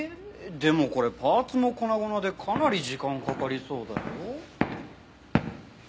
でもこれパーツも粉々でかなり時間かかりそうだよ。